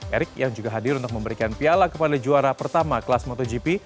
erick yang juga hadir untuk memberikan piala kepada juara pertama kelas motogp